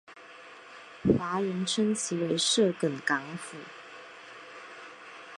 华人称其为色梗港府。